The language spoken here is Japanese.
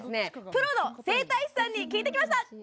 プロの整体師さんに聞いてきました